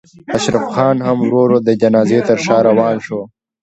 اشرف خان هم ورو ورو د جنازې تر شا روان شو.